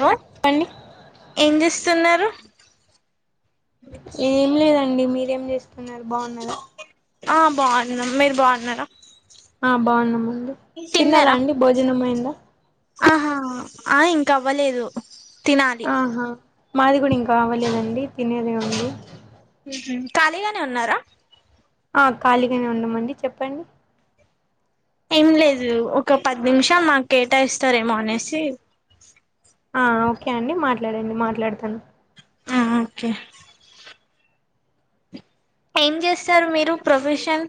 లో చెప్పండి ఏం చేస్తున్నారు ఏం లేదండి మీరేం చేస్తున్నారు బాగున్నారా ఆ బాగున్నం మీరు బాగున్నారా ఆ బాగున్నామండి తిన్నరా తిన్నారాడి భోజనమైందా ఆహా ఆ ఇంక అవ్వలేదు తినాలి ఆహా మాది కూడా ఇంకా అవ్వలేదండి తినేదే ఉంది ఉహ్మ్ ఖాళీగానే ఉన్నారా అ ఖాళీగానే ఉన్నామండి చెప్పండి ఏం లేదు ఒక పది నిమిషాలు మాకు కేటా ఇస్తారేమో అనేసి ఆ ఓకే అండి మాట్లాడండి మాట్లాడతాను ఆ ఓకే ఏం చేస్తారు మీరు ప్రొఫెషన్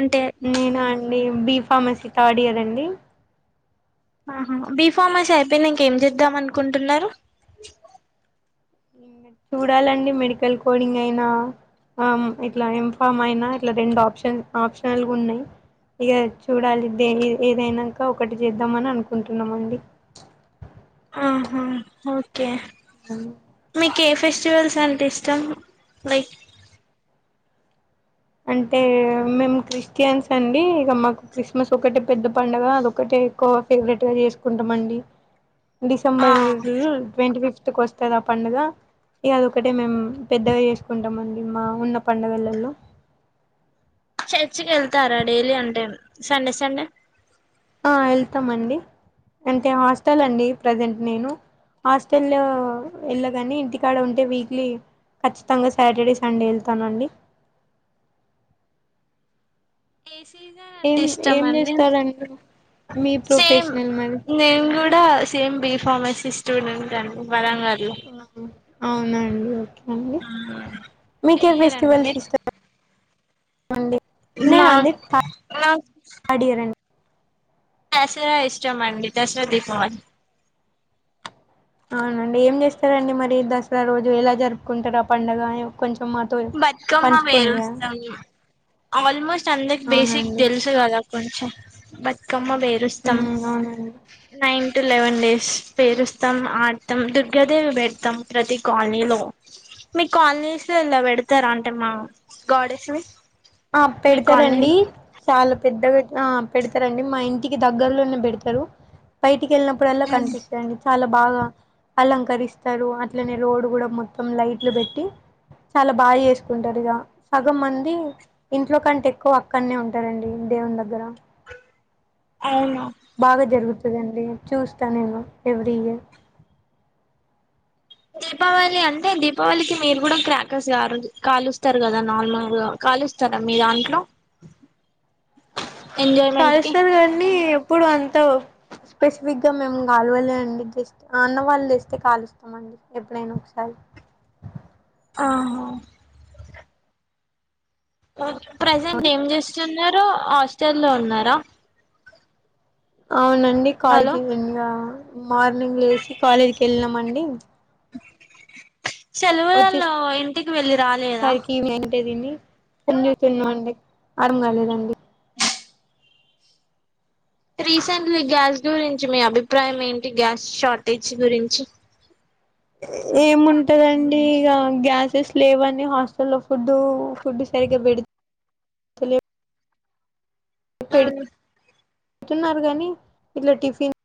అంటే నేను అండి బి ఫార్మసీ థర్డ్ ఇయర్ అండి ఆహా బి ఫామాసి అయిపోయినంక ఎం చేద్దాం అనుకుంటున్నరు చూడాలండి మెడికల్ కోడింగ్ అయినా ఆ ఇట్లా ఇంఫామ్ అయినా ఇట్లా రెండు ఆప్షన్ ఆప్షనల్గా ఉన్నాయి ఇగ చూడాలి దేని ఏదైనాంక ఒకటి చేద్దామని అనుకుంటున్నామండి ఆహా ఓకే మీ కే ఫెస్టివల్స్ అంటే ఇష్టం లైక్ అంటే మేము క్రిస్టియన్స్ అండి ఇగ మాకు క్రిస్మస్ ఒకటే పెద్ద పండుగ అదొకటే ఎక్కువగా ఫేవరెట్ గా చేసుకుంటామండి ఆ డిసెంబర్ ట్వంటిఫిఫ్త్ కు వస్తది ఆ పండుగ ఇగ అదొకటే మేము పెద్దగా చేసుకుంటామండి మా ఉన్న పండగలల్లో చర్చికి వెళ్తారా డైలీ అంటే సండే సండే ఆ వెళ్తామండి అంటే హాస్టల్ అండి ప్రజెంట్ నేను హాస్టల్లో వెళ్ళగని ఇంటికాడ ఉంటే వీక్లీ ఖచ్చితంగా సాటర్డే సండే వెళ్తానండి [unintelligible] అంటే ఏం ఇష్టం ఏం అండి చేస్తారండి మీ సేమ్ ప్రొఫెషనల్ మరి నేను కూడా సేమ్ బిఫార్సిస్ స్టూడెంట్ అండి వరంగల్లో అన్ని ఓకే అండి ఏ మీకే ఇయర్ అండి ఫెస్టివల్స్ మీరు ఇష్ట డే నా నేను అంది పా నాకు థర్డ్ ఇయర్ అండి దసరా ఇష్టం అండి దసరా దీపావళి అవునండి ఏం చేస్తారండి మరి దసరా రోజు ఎలా జరుపుకుంటారు ఆ పండగ అ కొంచెం మాతో బతుకమ్మ పంచుకోండి పెరుస్తామ్ ఆల్మోస్ట్ అందరికి బేసిక్ అవునండి తెలుసు కదా కొంచెం బట్ క్కమ్మ బేరుస్తాం ఉమ్ అవునండి నైన్ టు లెవెన్ డేస్ పేరుస్తాం ఆడతాం దుర్గాదేవి పెడతాం ప్రతి కాలనీలో మీ కాలనీస్లల్లా వెడతారా అంటే మా గాడెస్ ని అ మీ పెడతారండి కాలనీలో చాలా పెద్దగా ఆ పెడతారండి మా ఇంటికి దగ్గరలోనే పెడతారు బయటికి వెళ్ళినప్పుడల్లా కనిపిస్తాయండి చాలా బాగా అలంకరిస్తారు అట్లనే రోడ్ కూడా మొత్తం లైట్లు బెట్టి చాలా బాగ చేసుకుంటారు ఇగ సగం మంది ఇంట్లో కంటే ఎక్కువ అక్కనే ఉంటారండి దేవుని దగ్గర అవున బాగా జరుగుతదండి చూస్తా నేను ఎవ్రీ ఇయర్ దీపావళి అంటే దీపావళికి మీరు కూడా క్రాకర్స్ కారు కాలుస్తారు కదా నార్మల్ గా కాలుస్తార మీ దాంట్లో ఎంజాయ్మెంట్ కి కాలుస్తారు కానీ ఎప్పుడు అంతగ స్పెసిఫిక్ గా మేము గాలవలే అండి జస్ట్ మ అన్నవాళ్ళు తేస్తే కాలుస్తామ అండి ఎప్పుడైనా ఒకసారి ఆహా ప్రజెంట్ ఏం చేస్తున్నారు హాస్టలో ఉన్నారా అవునండి హలో కాలేకి ఇంగ మార్నింగ్ లేసి కాలేజీకి ఎళ్ళినాం అండి సెలవుల ల్లో ఇంటికి వెళ్ళి రాలేదా వచ్చేసరికి [unintelligible] తిన్నామండి ఆరమ కాలేదండి రీసెంట్లీ గ్యాస్ గురించి మీ అభిప్రాయం ఏంటి గ్యాస్ షార్టేజ్ గురించి ఏముంటదండి ఇక గ్యాసెస్ లేవని హాస్టల్లో ఫుడ్ ఫుడ్ సరిగా పె త లే వ్ అవును తున్నారు గానీ ఇట్లా టిఫిన్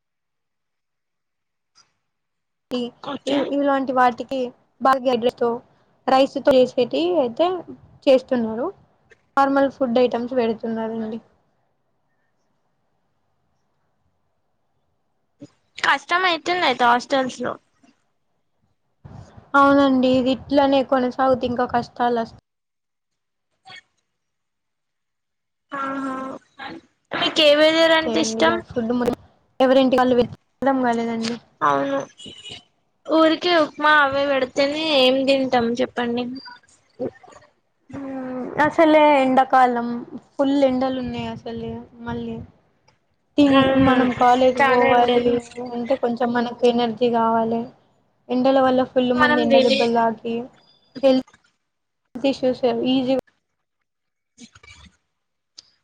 ఇ ఇ ఓకే ఇలాంటి వాటి ఇ [unintelligible] రైస్ తో చేసేటి అయితే చేస్తున్నారు నార్మల్ ఫుడ్ ఐటెమ్స్ పెడుతున్నారండి కష్టం అయితుంది అయితే హాస్టల్స్ లో అవునండి ఇది ఇట్లనే కొనసాగుతే ఇంకా కష్టాలుస్ ఆహా ఏ వెదర్ కె అంటే అండి ఇష్టం ఇగ ఫుడ్ [unintelligible] ఎవరింటికి వాళ్ళు అర్ధం కాలేదండి అవును ఊరికే ఉప్మా అవె వెడితేనే ఏం తింటాం చెప్పండి ఊమ్ అసలే ఎండాకాలం ఫుల్ ఎండలు ఉన్నాయి అసలే మళ్ళీ థింగ్ మ్మ్ మనం కాలేజ్ చానా వోవాలి ఎండలు అంటే కొంచెం మనకు. ఎనర్జీ కావాలి ఎన్. ఎండల వల్ల ఫుల్ మనం ముందు ఎండ తిని దెబ్బలు తాకి హెల్త్. [unintelligible] ఈజి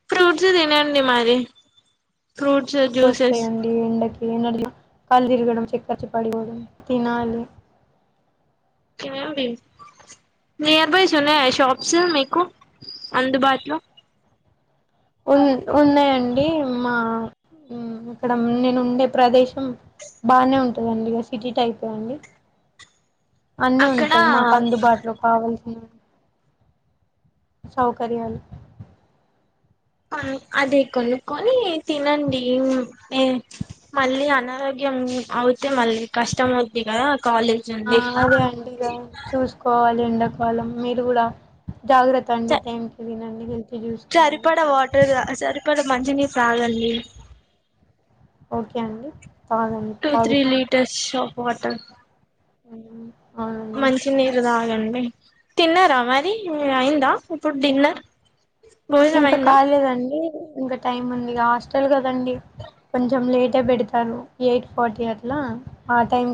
ఫ్రూట్స్ తినండి మారి ఫ్రూట్స్ జ్యూసెస్ తినాలి కళ్ళు తిరగడం చెక్కరోచ్చి పాడిపొవడం తినాలి. తిన్నండి నియర్ బాయ్స్ ఉన్నాయా షాప్స్ మీకు. అందుబాట్లో. ఉన్ ఉన్నాయండి మా. ఉమ్ ఇక్కడ నేను ఉండే ప్రదేశం బానే ఉంటదండి ఇగ సిటీ టైపే అండి. అన్ని అక్కడ ఉంటాయి మాకు అందుబాట్లో కావల్సినవి. సౌకర్యాలు. అద్ అదీ కొనుక్కొని తినండి మేం మే మళ్ళీ అనారోగ్యం. ఉమ్ అవుతే మళ్ళీ కష్టం ఔద్ది గదా కాలేజ్ ఆ ఉంది. ఎండకాలం మీరు గుడా. జాగ్రత్త అండి టైంకి తినండి హెల్త్ జుసుకోండి. సరిపడ వాటర్ సరిపడ మంచినీరు తాగండి. ఓకె అండి. తాగండి టూ త్రీ తాగుతాం లీటర్స్ ఆఫ్ వాటర్. ఔనండి. తిన్నరా మరి అయిందా ఇప్పుడు డిన్నర్. భోజనం ఇంక అయిందా కాలేదండి ఇంక టైమ్ ఉంది హాస్టల్ కదండి. కొంచం లేటే పెడతారు ఎయిట్ ఫార్టీ అట్లా ఆ టైం.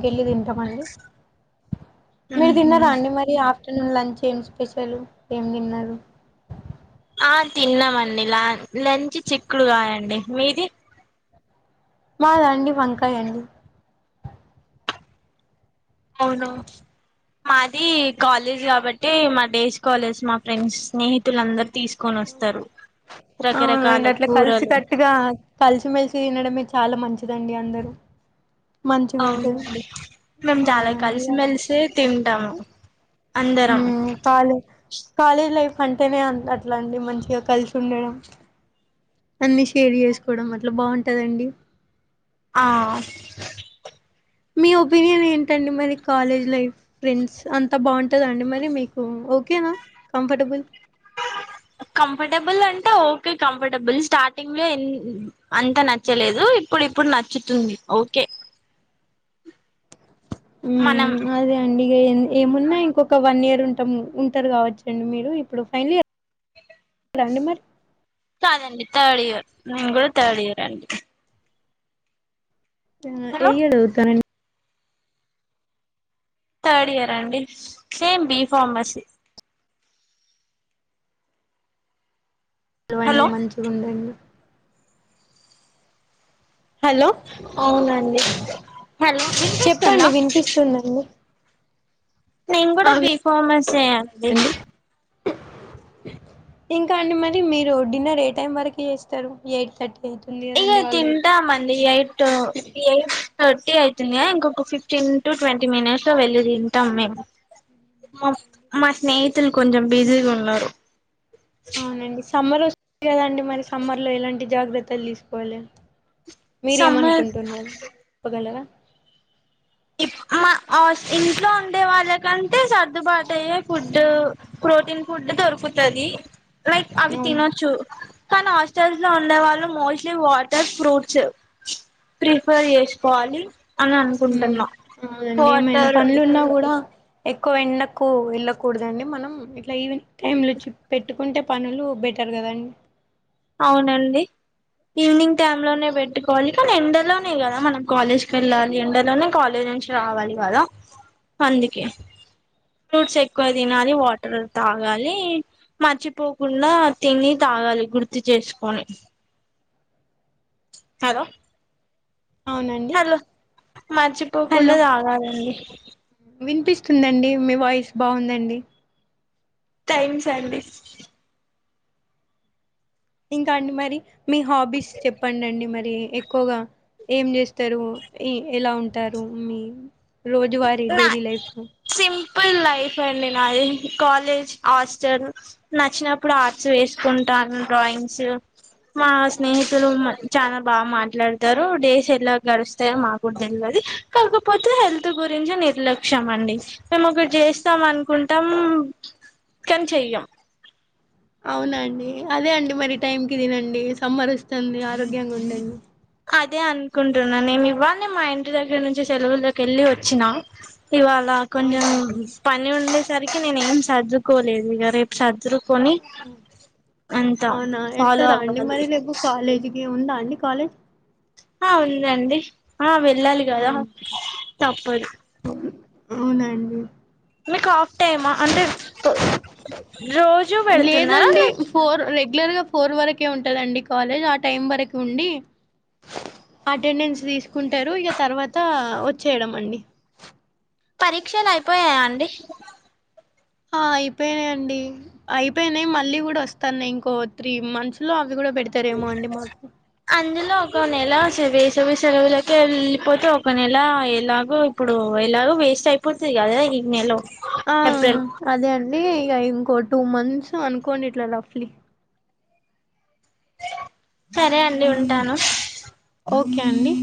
మీరు ఉహు తిన్నరాండి మరి ఆహ్. తిన్నా లంచ్ ఏం స్పెషలు ఏం తిన్నారు. ఆహ్ తిన్నామండి లా లంచ్ చిక్కుడుగాయండి మీది. మాద అండి వంకాయాండి. ఔనా. మాది కాలేజ్ కాబట్టి మా డేస్ కలర్స్ మా ఫ్రెండ్స్ ని స్నేహితులందర్. తీస్కొనొస్తరు రకరకాల అవునండి కూరలు. తీనడమే చాలా మంచిదండి అందరూ. మంచిగుంటది. మేం చాలా కలిసిమెలిసే తింటాము. అందరం ఉమ్ కాలే కాలేజ్ లైఫ్. అంటేనే అన్ అట్లాటి మంచిగా కలిసుండడం. షేర్ జేసుకోడం అట్లా బాగుంటదండి. ఆహ్. మీ ఒపీనియన్ ఏంటండి మరి కాలేజ్ లైఫ్ ఫ్రెండ్స్ అన్. అంత బాగుంటదా అండి మరి మీకూ ఓకేనా కంఫర్టెబుల్. కంఫర్టెబుల్ అంటే ఓకే కంఫర్టెబుల్ స్టార్టింగ్ లో ఏం అంత నచ్చలేదు. ఇప్పుడు ఇప్పుడ్ నచ్చుతుంది ఓకే. మనం ఉమ్ అదే అండి. ఏం ఏమున్నాయి ఇంకొక వన్ ఇయర్ ఉంటాం ఉంటారు కావొచ్చండి మీరు ఇప్పుడు ఫైనల్ ఇయర్. రండి మరి. కాదండి థర్డ్ ఇయర్ నేను కూడా థర్డ్ ఇయర్ అండి. ఏ హలో ఇయర్ [unintelligible] థర్డ్ ఇయరే అండి సేమ్ బి ఫార్మసీ. చదవండి హలో మంచిగుండండి. హలో అవునండి. చెప్పండి వినిపిస్తుందండి నేను ఆ గూడా బి ఫార్మసే అండి. ఇంకా అండి మరి మీరూ డిన్నర్ ఏ టైం వరకి జేస్తారు ఎయిట్ థర్టీ. అవుతుంది ఇగ కదండి ఆల్రెడీ తింటామండి ఎయిట్ట్ ఎయిట్. థర్టీ అయితుందిగ ఇంకొక ఫిఫ్టీన్ టు ట్వంటీ మినిట్స్ లో వెళ్ళి తింటాం మేము. మా మా స్నేహితులు కొంచం బిజీగున్నారు. అవునండి సమ్మర్ ఒస్తుంది కదండి మరి సమ్మర్ లో ఎలాంటి జాగ్రత్తలు తీస్కోవాలే. సమ్మర్ మీరేమన్కుంటున్నారు చెప్పగలరా. ఇక్ మా అస్ ఇంట్లో ఉండే వాళ్ళకంటే సర్దుబాటయ్యే ఫుడ్డు ఫుడ్. ప్రోటీన్ ఫుడ్ దొరుకుతది లైక్ అవి అవును తినొచ్చు. కానీ హాస్టల్స్ లో ఉండే వాళ్ళు మోస్ట్లీ వాటర్ ఫ్రూట్సు. ప్రిఫర్ చేస్కోవాలి అని అన్కుం. ఉమ్ అవునండి ఏమైనా పన్లున్నా గూడా. ఎక్కువ ఎండకు వెళ్ళకూడదండి మనం ఇట్లా ఈవినింగ్ టైమ్ లో పెట్టుకుంటే పనులు బెట్. టర్ గదండి. అవునండి. ఈవినింగ్ టైమ్ లోనే పెట్టుకోవాలి కాని ఎండలోనే గదా మనం కాలేజ్ కెళ్ళాలి ఎండలోనే కాలేజ్. నుంచి రావాలి గదా అందుకే. ఫ్రూట్స్ ఎక్కువ తినాలి వాటర్ తాగాలి. మర్చిపోకుండా తిని తాగాలి గుర్తు చేస్కొని. హలో. అవునండి హలో మర్చిపోకుండా హలో దాగాలండి. వినిపిస్తుందండి మీ వాయిస్ బావుందండి. థాంక్స్ అండి. ఇంకా అండి మరి మీ హాబీస్ చెప్పండి మరి. ఎక్కువగా ఏం చేస్తారు ఎలా ఉంటారు మీ. రోజు వారి డెలీ లైఫ్ ను. పుల్ లైఫ్ అండి నాది కాలేజ్ హాస్టల్ నచ్చినప్పుడు ఆర్ట్స్ వేస్కుంటా. Normal drawings. మా స్నేహితులు అవునండి మన్ చాలా బాగా మాట్లాడతారు డేస్ ఎట్ల గడుస్తాయో మాకు తేల్వద్. ది కాకపోతే హేల్ప్. త్ గురించే నిర్లక్ష్యం అండి మేమ్ ఒకట్ జేస్తాం అన్కుంటాం. కానీ చెయ్యం. అవునండి అదే అండి మరి టైం కి తినండి సమ్మరోస్తుంది ఆరోగ్యంగుండండి. అదే అన్కుంటున్నా నేను ఇవళ్ళె మా ఇంటి దగ్గర్ నుంచి సెలవుల్లోకేల్లీ వచ్చినం. ఇవాళ కొంచం అవునండి పని ఉండేసరికి నేనేం సర్దుకోలేదు ఇగ రేప్ సర్దు. కొని అంత అవునా ఫాలో అవ్వాలి. ఇ ఉందా అండి కాలేజ్. ఆహ్ ఉందండి ఆహ్ వెళ్ళాలి గదా అవును తప్పదు. అవునండి. మీక్ హాఫ్ టైమా అంటే రో రోజు వెడ్తున్నార లేదండి లెక్. ఫోర్ రెగ్యులర్ గా ఫోర్ వరకే ఉంటదండి కాలేజ్ ఆ టైం వరకు ఉండి. అటెండెన్స్ తీస్కుంటారు ఇగ తర్వాత వొచ్చేయడం అండి. పరీక్షల్ అయిపోయాయా అండి. ఆహ్ అయిపోయినా అండి అయిపోయినాయ్ మళ్ళీ గుడ వస్తాన్నాయ్ ఇంకో త్రీ మంత్స్ లో అవ్. ఇది గుడా పెడ్తారేమో అండి మాకు. అంటె ఒక నెల సవి వేసవి సెలవులకెళ్ళిపోతే ఒక నెల ఎలాగో ఇప్పుడు ఎల. వేస్ట్ అయిపోతయ్ గదా ఈ నెలలో. ఆహ్ అదే అండి ఇగ ఇంకో టూ మంత్స్ అన్కోండిట్లా రఫ్లీ. సరే అండి ఉంటాను. ఓకే అండి.